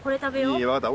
いい分かった。